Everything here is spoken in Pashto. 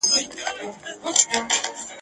دې ښارته به د اوښکو د سېلونو سلا نه وي ..